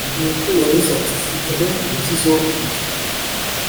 yavuze ati: 'igihe ntikizokwica.'